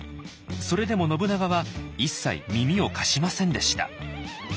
それでも信長は一切耳を貸しませんでした。